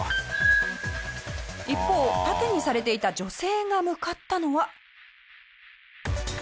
一方盾にされていた女性が向かったのは。